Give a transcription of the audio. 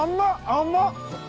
甘っ！